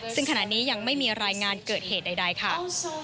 ซึ่งขณะนี้ยังไม่มีรายงานเกิดเหตุใดค่ะ